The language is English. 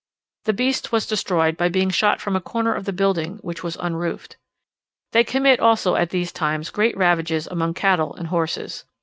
The beast was destroyed by being shot from a corner of the building which was unroofed. They commit also at these times great ravages among cattle and horses.